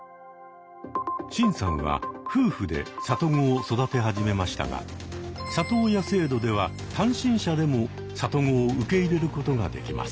シンさんは夫婦で里子を育て始めましたが里親制度では単身者でも里子を受け入れることができます。